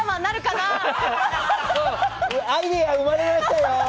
アイデア生まれましたよ！